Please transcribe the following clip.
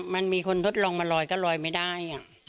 มันมีคนทดลองมาลอยก็ลอยไม่ได้